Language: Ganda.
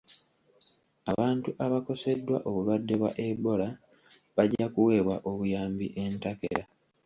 Abantu abakoseddwa obulwadde bwa Ebola bajja kuweebwa obuyambi entakera.